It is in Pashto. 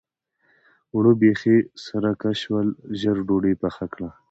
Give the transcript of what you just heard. اوړه بېخي سرکه شول؛ ژر ډودۍ پخه کړه.